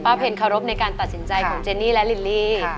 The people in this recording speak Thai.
เพลงเคารพในการตัดสินใจของเจนี่และลิลลี่